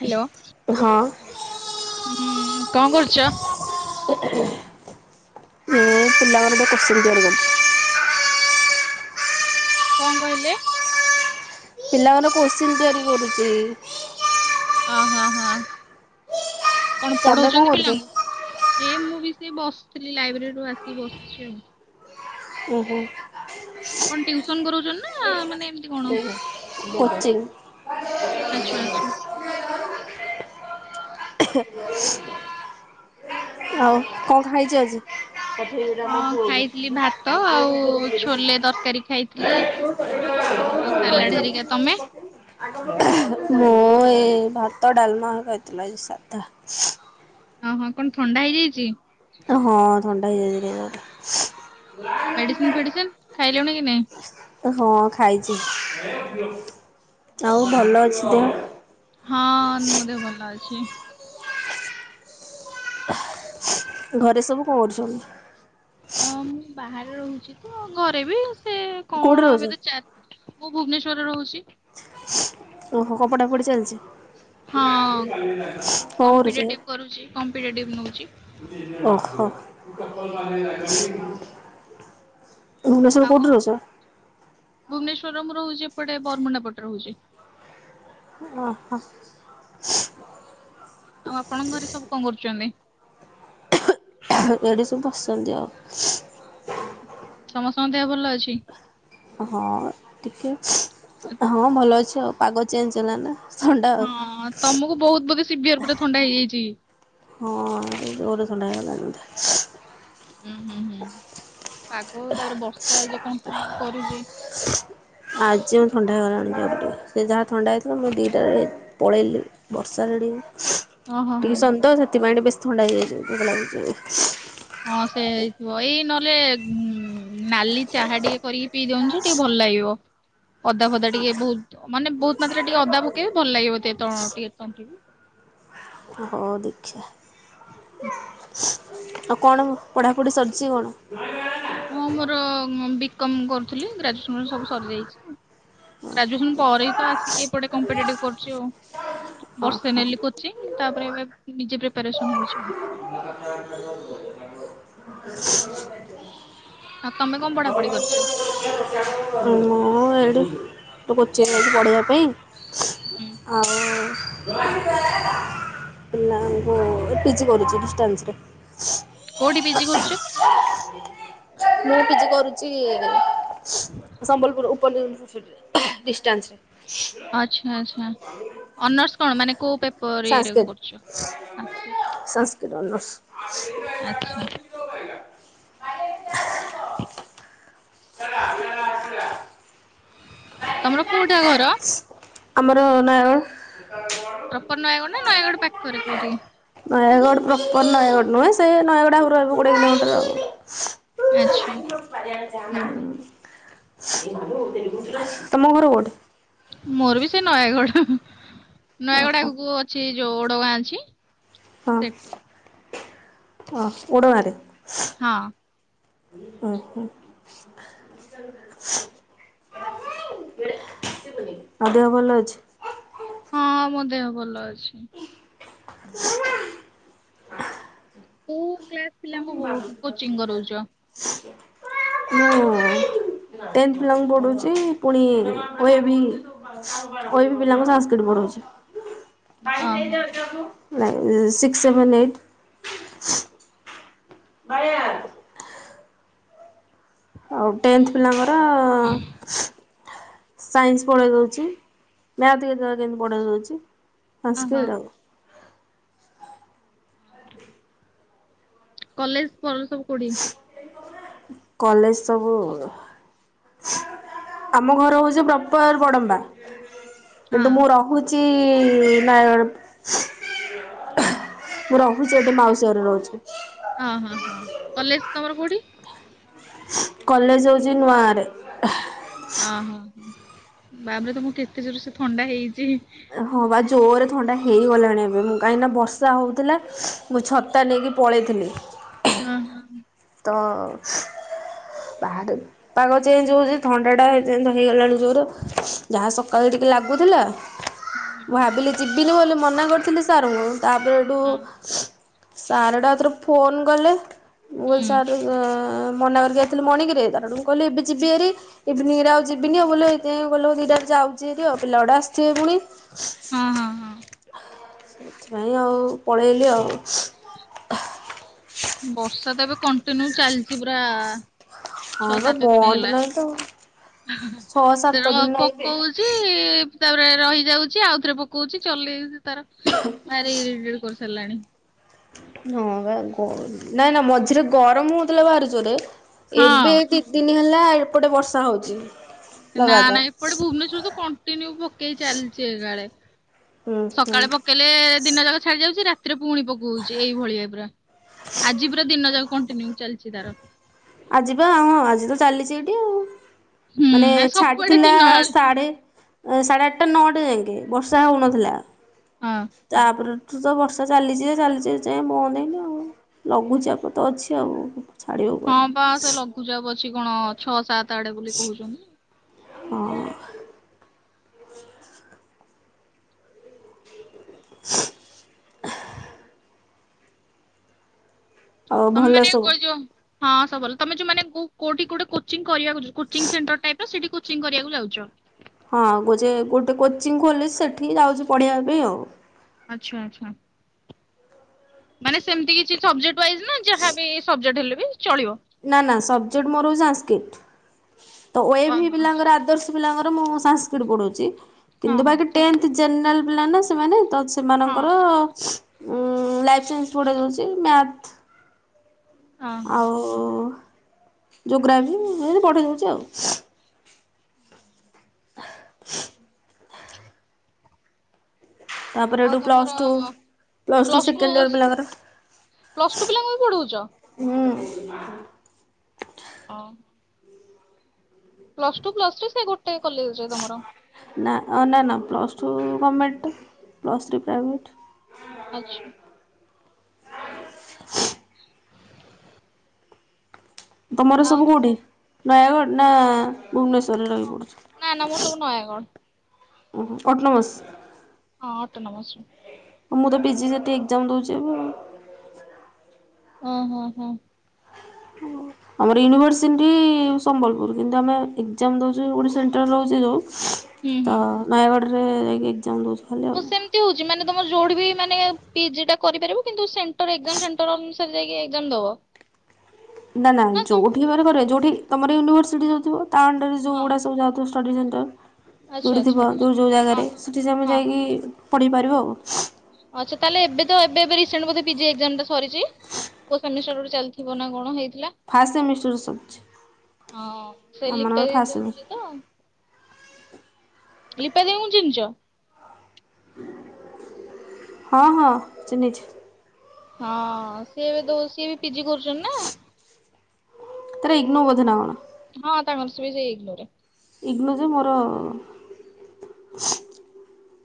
Hello, ହଁ ହୁଁ କଣ କରୁଛ? ଏ ପିଲାମାନଙ୍କର କୋଶ୍ଚେନ୍ ତିଆରି କରୁଛି। କଁ କହିଲେ? ପିଲାଙ୍କର କୋଶ୍ଚିନ୍ ତିଆରି କରୁଚି। ଅହଁ, ହଁ କଣ ତମେ ପଢ଼ଉଛନ୍ତି କରୁଛ? ପିଲାଙ୍କୁ? ଏ ମୁଁ ବି ସେଇ ବସିଥିଲି ଲାଇବ୍ରେରୀରୁୁ ଆସିି ବସିଛି ଆଉ। ଓହୋ। କଣ ଟିୟୁସନ୍ କରଉଛନ୍ତି ନା ମାନେ ଏମିତି କଣ? କୋଚିଙ୍ଗ୍। ଆଚ୍ଛା ଆଚ୍ଛା। [unintelligible] ଆଉ କଣ ଖାଇଛ ଆଜି? ହଁ ଖାଇଥିଲି ଭାତ ଆଉ ଛୋଲେ ତରକାରୀ ଖାଇ ଥିଲି ଆଉ ସାଲାଡ଼ ହେରିକା, ତମେ? ମୁଁ ଏଇ ଭାତ ଡାଲମା ଖାଇଥିଲି ଆଜି ସାଧା। ହଁ ହଁ କଣ ଥଣ୍ଡା ହେଇଯାଇଛି? ହଁ ଥଣ୍ଡା ହେଇଯାଇଛି ଟିକେ ଦେହଟା। ମେଡ଼ିସିନ୍ ଫେଡ଼ିସିନ୍ ଖାଇଲୁଣି କି ନାଇଁ? ହଁ ଖାଇଛି, ଆଉ ଭଲ ଅଛି ଦେହ? ହଁ ମୋ ଦେହ ଭଲ ଅଛି। ଘରେ ସବୁ କଁ କରୁଛନ୍ତି? ଅଁ ମୁଁ ବାହାରେ ରହୁଛି ତ ଘରେ ବି ସେ କୋଉଠି କଣ ରହୁଛ? ଏବେତ ଚା ମୁଁ ଭୁବନେଶ୍ୱରରେ ରହୁଛି। ଓହୋ କଁ ପଢାପଢ଼ି ଚାଲିଛି? ହଁ [unintelligible] କମ୍ପିଟେଟିଭ କରୁଛି କମ୍ପିଟେଟିଭ ନଉଛି ଓହୋ। ଭୁବେଶ୍ବରରେ କଉଠି ଆଉ ରହୁଛ? ଭୁବନେଶ୍ୱରର ମୁଁ ରହୁଛି ଏପଟେ ବରମୁଣ୍ଡା ପଟେ ରହୁଛି। [unintelligible] ଆଉ ଆପଣଙ୍କ ଘରେ ସବୁ କଁ କରୁଛନ୍ତି? [unintelligible] ଏଠି ସବୁ ବସିଚନ୍ତି ଆଉ। ସମସ୍ତଙ୍କ ଦେହ ଭଲ ଅଛି? ହଁ ଟିକେ ହଁ ଭଲ ଅଛି, ଆଉ ପାଗ ଚେଞ୍ଜ ହେଲାନା। ହଁ ତମକୁ ବହୁତ ବୋଧେ ସିଭିିୟର ପରେ ଥଣ୍ଡା ହେଇଯାଇଛି। ହଁ ଜୋର ସନ୍ଦା ହେଇଗଲା। ହୁଁ ହୁଁ ହୁଁ, ପାଗ ତାପରେ ବର୍ଷା ଯୋଉ କଣ୍ଟିନ୍ୟୁ କରୁଚି ଆଜି ମୁଁ ଥଣ୍ଡା ହେଇଗଲାଣି ସେ ଯାହା ଥଣ୍ଡା ହେଇଥିଲା ମୁଁ ଦିଇଟାରେ ପଳେଇଲି ବର୍ଷାରେ ଓ ହଁ ଟିକେ ହଁ। ଟିସନ୍ ତ ସେଥିପାଇଁ ଟିକେ ବେଶୀ ଥଣ୍ଡା ହେଇଯାଇଛି ମତେ ଲାଗୁଛି। ହଁ ସେଇଆ ହେଇଥିବ, ଏଇ ନହେଲେ [unintelligible] ନାଲି ଚାହା ଟିକେ କରିକି ପିଇ ଦିଅନ୍ତୁ ଯେ ଟିକେ ଭଲ୍ ଲାଗିବ। ଅଦା ଫଦା ଟିକେ ବହୁତ ମାନେ ବହୁତ ମାତ୍ରାରେ ଟିକେ ଅଦା ପକେଇବେ ଭଲ ଲାଗିବ [unintelligible] ହଁ ଦେଖିଆ [unintelligible] ଆଉ କଣ ପଢ଼ାପଢ଼ି ସରିଛି କଣ? ହଁ ମୋର ବି-କ-ମ କରୁଥିଲି ଗ୍ରାଜୁଏସନରେ ସବୁ ସରିଯାଇଛି। ଗ୍ରାଜୁଏସନ ପରେ ହିଁ ତ ଆସିକି ଏପଟେ କମ୍ପିେଟିଭ୍ କରୁଛି ଆଉ। ବର୍ଷେ ନେଲି ଓହୋ କୋଚିଂ ତାପରେ ଏବେ ନିଜେ ପ୍ରିପାରେସନ ହଉଛି ଆଉ। [unintelligible] ଆଉ ତମେ କଣ ପଢ଼ାପଢ଼ି କରିଛ? [unintelligible] ମୁଁ ଏଡେ ତ କୋଚିଙ୍ଗ ନେଇଛି ପଢ଼େଇବା ହୁଁ ପାଇଁ ଆଉ [unintelligible] ନାଁ ମୁଁ ପିଜି କରିଛି ଡିଷ୍ଟଷ୍ଟାନ୍ସରେ। କୋଉଠି ପିଜି କରୁଛ? [unintelligible] ମୁଁ ପିଜି କରୁଛି ଇଏ ରେ ସମ୍ବଲପୁର ଉପର [unintelligible] ୟୁନିଭସିଟି ରେ। ଡିଷ୍ଟାନ୍ସରେ। ଆଚ୍ଛା, ଆଚ୍ଛା ଅନର୍ସ କଣ ମାନେ କୋଉ ପେ ପର ଇଏ ରେ ସାଂସ୍କ୍ରିଟ କରୁଛ, ସାଂସ୍କ୍ରିଟ ଅନର୍ସ ଆଛା [unintelligible] ତମର କୋଉଟା ଘର? ଆମର ନୟାଗଡ଼। ପ୍ରପର ନୟାଗଡ଼ ନା ନୟାଗଡ଼ ପାଖରେ କୋଉଠି? ନୟାଗଡ଼ ପ୍ରପର ନୟାଗଡ଼ ନୁହେଁ ସେ ନୟାଗଡ଼ ଆହୁରି ରହିବ କୋଡ଼ିଏ କିଲୋମିଟର ଆଉ। ଆଚ୍ଛା। [unintelligible] ହୁଁ, ତମ ଘର କୋଉଠି? ମୋର ବି ସେ ନୟାଗଡ଼, ନୟାଗଡ଼ ଓହୋ ଆଗକୁ ଅଛି ଯୋଉ ଓଡଗାଁ ଅଛି ହଁ, ସେଠି। ହଁ ଓଡ଼ଗାଁ ରେ। ହଁ। ଓହୋ [unintelligible] ଆଉ ଦେହ ଭଲ ଅଛି? ହଁ, ମୋ ଦେହ ଭଲ ଅଛି। [unintelligible] କୋଉ କ୍ଲାସ୍ ପିଲାଙ୍କୁ କୋଚିଂ କରଉଛ? [unintelligible] ମୁଁ ଟେନ୍ଥ ପିଲାଙ୍କୁ ପଢ଼ଉଛି ପୁଣି ଓ-ଏ-ବି ଓ-ଏ-ବି ପିଲାଙ୍କୁ ସାଂସ୍କିଟି ପଢ଼ଉଛି। [unintelligible] ଓହୋ ନାଇ ସିକ୍ସ, ସେଭେନ, ଏଇଟି। [unintelligible] ଆଉ ଟେନ୍ଥ ପିଲାଙ୍କର ର ସାଇନ୍ସ ପଢ଼େଇ ଦଉଛି, ମ୍ୟାଥ ରିଯୋନୀଙ୍ଗ କେତେବେଳେ କେମିତି ପଢେଇ ଦଉଛି। ସାନ୍ସ୍କିଟି ଆଉ। କଲେଜ ପରେ ସବୁ କୋଉଠି? କଲେଜ ସବୁ ଆମ ଘର ହଉଛି ପପର୍ ବଡମ୍ବା। ହଁ କିନ୍ତୁ ମୁଁ ରହୁ ଛି ନୟାଗଡ଼। ମୁଁ ରହୁଛି ଏବେ ମାଉସୀ ଘରେ ରହୁଛି। ଅ, ହଁ, ହଁ, କଲେଜ ତମର କୋଉଠି? କଲେଜ ହଉଛି ନୂଆ ଗାଁରେ। ଅଁ ହୋ। ବାବା ତମକୁ କେତେ ଜୋର ସେ ଥଣ୍ଡା ହେଇଛି। ହଁ ବା ଜୋରରେ ଥଣ୍ଡା ହେଇଗଲାଣି ଏବେ କାହିଁକିନା ବର୍ଷା ହେଉଥିଲା ମୁଁ ଛତା ନେଇକି ପଳେଇଥିଲି ଓଁ ହଁ। ତ ବାହାରେ ପାଗ ଚେଞ୍ଜ ହଉଛି ଥଣ୍ଡା ଟା ବି ସେମିତି ହେଇଗଲାଣି ଜୋର ଯାହା ସକାଳୁ ଟିକେ ଲାଗୁଥିଲା ମୁଁ ଭାବିଲି ଯିବିନି ବୋଲି ମନା କରିଥିଲି ସାର୍ ଙ୍କୁ ତାପରେ ଏଠୁ ହଁ ସାର ଆଉଁ ଏଥର ଫୋନ୍ କଲେ। ମୁଁ ସ୍କୁଲ ହୁଁ ସାର ଏ ଅଁ ମନାକରିକି ଆଇଥିଲି ମର୍ଣ୍ଣିଙ୍ଗରେ ସାର ଙ୍କୁ କହିଲି ଏବେ ଯିବି ହେରି। ଇଭିନିଂ ରେ ଆଉ ଯିବିନି ଆଉଁ ବୋଲେ ଏଇ ଦେ ଗଲି ଦିଟା ଯାଉଛିି ହେରି ଆଉ ପିଲା ଗୁଡା ଆସିଥିବେ ପୁଣି। ହଁ ହଁ ହଁ। ସେଥିପାଇଁ ଆଉ ପଳେଇଲି ଆଉ। ବର୍ଷା ତ ଏବେ କଣ୍ଟିନ୍ୟୁ ଚାଲିଛି ପୁରା ହଁ ବା ବନ୍ଦ ନାଇଁ ତ ଆଉଁ ସେଅଁ ଏବେ ପକୋଉଛି। ତାପରେ ରହିଯାଉଛି ଆଉଥରେ ପକଉଛି ଚଲେଇଛି ତାର ଭାରି ଇରିଟେଟ କରିସାରିଲାଣି। ହଁ ବା ନାଇଁ ନାଁ ମଝିରେ ଗରମ ହଉଥିଲା ବାହାରିଜୋରରେ ହଁ। ଏବେ ଏଠି ଦି ଦିନି ହେଲା ଏପଟେ ବର୍ଷା ହଉଛି। ନାଁ ଲଗାତାର ନାଁ ଏପଟେ ଭୁବନେଶ୍ଵର ତ କଣ୍ଟିନ୍ୟୁ ପକେଇ ଚାଲିଛି ଏକାଳେ ହୁଁ ହୁଁ ସକାଳେ ପକ କହିଲେ ଦିନ ଯାକ ଛାଡ଼ି ଯାଉଛି। ରାତି ରାତି ରେ ପୁଣି ପକଉଛି ଏଇଭଳିଆ ପୁରା ଆଜି ପୁରା ଦିନ ଯାକ କଣ୍ଟିନ୍ୟୁ ଚାଲିଛି ତାର ଆଜିିବାଁଁ ହଁ ଆଜି ତ ଚାଲିଛି ଏଇଠି ଆଉ। ହୁଁ ମାନେ ଏ ସବୁଆଡେ ଛାଡିଥିଲା ଦିନ ଆଳେ ସାଢେ ଏ ସାଢ଼େ ଆଠଟା ନଅଟା ଯାକେଁ ବର୍ଷା ହଉନଥିଲା। ହଁ। ତା ପରଠୁଁ ତ ବର୍ଷା ଚାଲିଛି ଯେ ଚାଲିଛି ଏଯାଏଁ ବନ୍ଦ ହେଇନ ଆଉ। ଲଘୁଚାପ ତ ଅଛି ଆଉଁ। ହଁ ବା ସେ ଲଘୁଚାପ ଅଛି କଣ ଛଅ ସାତ ଆଠେ ବୋଲି କହୁଛନ୍ତି। ହଁ ସୁରଂ ହେଁ ଆଉ ତମେ ଭଲ ମାନେ ଆଗ ସବୁ। କହିଯାଅଁ। ହଁ ସବୁଭଲ ତମ ଯୋଉଁ ମାନେ କୋଉଁ କୋଉଁଠି କୋଚିଂ କରିବାକୁ କୋଚିଂ ସେଣ୍ଟର ଟା ସେଠି କୋଚିଂ କରିବାକୁ ଯାଉଛ। ହଁ ଗୋଯେ ଗୋଟେ କୋଚିଂ ଖୋଲିଛି ସସେଠିକି ଯାଉଛି ପଢିବା ପାଇଁ ଆଉ। ଆଚ୍ଛା ଆଚ୍ଛା। ମାନେ ସେମିତି କିଛି ସବଜେକ୍ଟ ୱାଇଜ ନାଁ ଯାହାବି ସବଜେକ୍ଟ ହେଲେ ବି ଚଳିବ। ନାଁ ନାଁ ସବଜେକ୍ଟ ମୋର ହଉଛି ସାସଂସ୍କୃଡ଼ି ତ ୱାଫେ ହେଇଗଲା ଓହୋ ପିଲାଙ୍କର ଆଦର୍ଶ ପିଲାଙ୍କର ମୁଁ ସାସଂସ୍କୃଡ଼ି ପଢଉଛି ହଁ କିନ୍ତୁ ହଁ ବାକି ଟେନଥେ ଯେନ୍ରାଲ ପିଲା ନାଁ ସେମାନେ ତ ସେ ହଁ। ସେମାନଙ୍କର ସୁରଂ ଅଁ ଲାଇଫ୍ ସାଇନ୍ସ ପୁଢ଼େଇ ଦଉଛି। ମ୍ୟାଥ୍ ଅହଁ ଆଉଁ ଯୋଗ୍ରାଫି ମୁଁ ପଢ଼େଇ ଦଉଛି ଆଉ। [inaudible] ତାପରେ ଆଉ ଏଠୁ ପ୍ଲସ ତମର two plus plus two second year ସୁ ପିଲାଙ୍କର ପ୍ଲସ୍ ଟୁ ପିଲାଙ୍କୁ ବି ପଢଉଛ? ହୁଁ। ହଁ। ପ୍ଲସ ଟୁ ପ୍ଲସ ଥ୍ରୀ ସେଇ ଗୋଟେ କଲେଜରେ ତମର। ନାଁ ନାଁ ଅନାଁ ନାଁ ନାଁ ମୋର plus two government plus three private. ଆଚ୍ଛା। [inaudible] ତମର ଆଉ ସବୁ ତମ କୋଉଠି ନୟାଗଡ ନା ଭୁବନେଶ୍ବରରେ ରହି ପଡୁଛି। ମୁଁ ନୟାଗଡ। ଓହୋ ଅଟୋନୋମସ? ହଁ ଅଟୋନମସ୍ରେ। ମୁଁ ତ ପିଜି ସେଠି ଏକ୍ଜାମ ଦଉଛି ଏବେ ଆଉ। ଓ ହୋ ହୋ। ହୁଁ। ଆମର ୟୁନିଭର୍ସିଟି ସମ୍ବଲପୁର କିନ୍ତୁ ଆମେ ଏକ୍ଜାମ ଦେଉଛୁ ଓଡ଼ି ସେଣ୍ଟର ରହୁଛି ଯୋଉ ହୁଁ ତ ହୁଁ। ନୟାଗଡରେ ଯାଇକି ଏକ୍ଜାମ ଦଉଛି। ସେମିତି ହଉଛି ମାନେ ତମ ଯୋଉଠି ବି ମାନେ ପିଜି ଟା କରିପାରିବ କିନ୍ତୁ ସେଣ୍ଟର ଏକ୍ଜାମ ସେଣ୍ଟର ଅନୁସ ସାରେ ଯାଇକି ଏକ୍ଜାମ ଦବ? ନା ନା ତମ ଯୋଉଠି ହଁ ହେବାର କରିବ ଯୋଉଠି ତମର ୟୁନିଭର୍ସିଟି ଯଉଥିବ ତା ଅଣ୍ଡରରେ ଯୋଉଗୁଡା ସବୁ ଯାଉଥିବ ଷ୍ଟଡ଼ି ସେଣ୍ଟର ଆଚ୍ଛା ଯୋଉଠି ଆଚ୍ଛା ଥିବ ବୁଝି ଯୋଉ ଯୋଉ ହଁ ଜାଗାରେ ହଁ। ସେଠି ତମେ ହଁ ଯାଇକି ପଢ଼ିପାରିବ ଆଉ। ଅଚ୍ଛା ତାହେଲେ ଏବେ ତ ଏବେ ଏବେ ରିସେଣ୍ଟ ବୋଧେ ପି ଜି ଏକ୍ଜାମ ଟା ସରିଛି? କୋ ସେମିଷ୍ଟର ଗୋଟେ ଚାଲିଥିବ ନା କଣ ହେଇଥିଲା। ଫାଷ୍ଟ ସେମିଷ୍ଟର ସରିଛି ହଁ ସେ ଆମମାନଙ୍କର ଲିପା ଦେଇ ଫାଷ୍ଟ ସେମିଷ୍ଟର ଦଉଥିଲେ ତ ଲିପା ଦେଇଙ୍କୁ ଚିନ୍ହିଛ? ହଁ ହଁ ଚିନ୍ହିଛି। ହଁ ସିଏବେ ଦଉ ସିଏ ବି ପିଜି କରୁଚନ୍ତିନା? ତର ଇଗ୍ନୋ ବୋଧେ ନା କଣ। ହଁ ତାଙ୍କର ସେ ବି ସେଇ ଇଗ୍ନୋରେ। ଇଗ୍ନୋ ଯେ ମୋର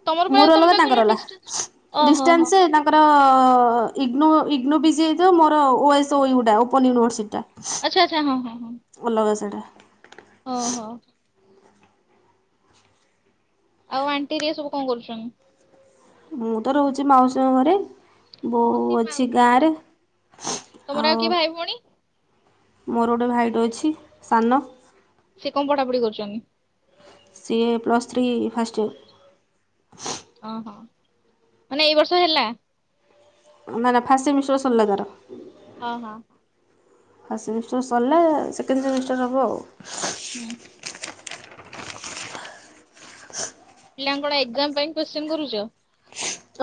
ତମର ପା ମୋର ତମେ ଅଲଗା ପା କହିଲ ତାଙ୍କର ଅଲା। ଡିଷ୍ଟାନ୍ସ ରେ। ଓହୋ ହୋ ଡିଷ୍ଟାନ୍ସ ତା ଙ୍କର ଇଗ୍ନୋ ଇଗ୍ନୋ ପି ଜି ହେଇଥିବ ମୋର ଓ ଏସ ଓ ଉ ଟା ଓପନ ୟୁନିଭେର୍ସିଟି ଟା। ଅଚ୍ଛା ଅଚ୍ଛା ହଁ ହଁ ହଁ। ଅଲଗା ସେଇଟା। ହଁ ହଁ। ଆଉ ଆଣ୍ଟି ହେରିକା ସବୁ କଣ କରୁଛନ୍ତି? ମୁଁ ତ ରହୁଛି ମାଉସୀଙ୍କ ଘରେ। ହଁ ସେ ବୋଉ ଅଛି ମାଉସୀ ବି ଗାଁରେ ତମର କିଏ ଆଉ ଭାଇ ଭଉଣୀ ମୋର ଗୋଟେ ଭାଇଟେ ଅଛି ସାନ। ସେ କଣ ପଢାପଢି କରୁଛନ୍ତି? ସିଏ ପ୍ଲସ୍ ଥ୍ରୀ ଫାଷ୍ଟ ୟର। ଓହୋ ମାନେ ଏଇ ବର୍ଷ ହେଲା? ନା ନା ଫାଷ୍ଟ ସେମିଷ୍ଟର ସରିଲା ତାର। ଓହୋ। ଫାଷ୍ଟ ସେମିଷ୍ଟର ସରିଲା ସେକେଣ୍ଡ ସେମିଷ୍ଟର ହବ ଆଉ। ହୁଁ। ପିଲାଙ୍କ କଣ ଏକ୍ଜାମ ପାଇଁ କୋଶ୍ଚିନ କରୁଛ?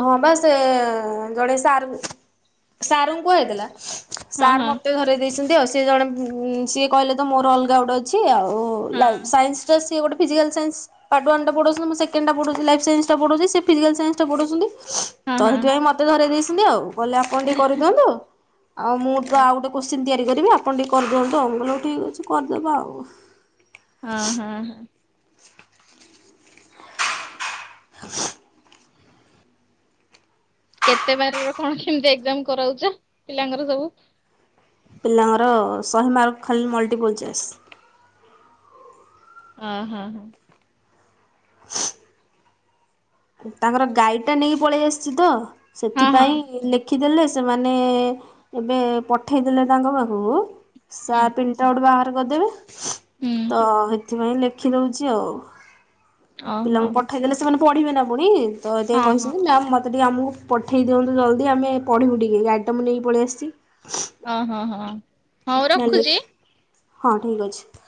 ହଁ ବା ସେ ଜଣେ ସାର୍ ସାର୍ଙ୍କୁ କୁହା ହେଇଥିଲା ହଁ ସାର୍ ହଁ ମତେ ଧରେଇ ଦେଇଛନ୍ତି ଆଉ ସେ ଜଣେ ସିଏ କହିଲେ ତ ମୋର ଅଲଗା ଗୋଟେ ଅଛି ଆଉ ଓ ହଁ ଲାଇଫ ସାଇନ୍ସର ସିଏ ଗୋଟେ ଫିଜିକାଲ ସାଇନ୍ସ ପାର୍ଟ ୱାନ୍ଟାପଢୋଉଛନ୍ତି ମୁଁ ସେକେଣ୍ଡଟା ପଢୋଉଛି ଲାଇଫ୍ ସାଇନ୍ସ ଟା ପ଼ଢୋଉଛି ସେ ଫିଜିକାଲ ସାଇନ୍ସ ଟା ପଢଉଛନ୍ତି। ହଁ ତ ହଁ ହେଇଥିପାଇଁ ମତେ ଧରେଇ ଦେଇଛନ୍ତି ଆଉ କଲେ ଆପଣ ଟିକେ କରିଦିଅନ୍ତୁ ଆଉ ମୁଁ ତ ହଁ ଆଉ ଗୋଟେ କୋଶ୍ଚ କି ତିଆରି କରିବେ ଆପଣ ଟିକେ କରିଦିଅନ୍ତୁ ମୁଁ କହିଲି ହୋଉ ଠିକ୍ ଅଛି କରିଦେବା ଆଉ। ହଁ ହଁ। [unintelligible] କେତେ ବାର କଣ କେମିତି ଏକ୍ସଜାମ କରାଉଛ ପିଲାଙ୍କର ସବୁ? ପିଲାଙ୍କର ଶହେ ମାର୍କ ଖାଲି ମଲ୍ଟିପଲ୍ ଚେସ୍। ଅ ହଁ। [unintelligible] ତାଙ୍କର ଗାଈ ଟା ନେଇକି ପଳେଇ ଆସିଛି ତ ହଁ ହଁ ହଁ ସେଥିପାଇଁ ଲେ ଲେଖିଦେଲେ ସେମାନେ ଏବେ ପଠେଇ ଦେଲେ ତାଙ୍କ ପାଖକୁ ହୁଁ ସାର [unintelligible] ବାହାର କରିଦେବେ ହୁଁ ତ ହେଥି [unintelligible] ଲେଖିଦଉଛି ଆଉ। ଓହୋ ପିଲାଙ୍କୁ ପଠେଇ ଦେଲେ ସେମାନେ ପଢିବେ ନା ପୁଣି ତ ଏଥିପାଇଁ ହଁ ହଁ କହିଛନ୍ତି ମତେ ଟିକେ ଆମକୁ ପଠେଇ ଦିଅନ୍ତୁ ଜଲ୍ଦି ଆମେ ପଢ଼ିବୁ ଟିକେ ଗାଇଟମ୍ ନେଇକି ପଳେଇ ଆସିଛି। ଓ ହଁ ହଁ। ହଉ ନାଲି ରଖୁଛି। ହଁ ଠିକ ଅଛି।